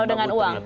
kalau dengan uang